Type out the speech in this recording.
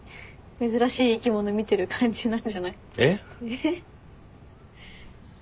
珍しい生き物見てる感じなんじゃない？えっ？えっ？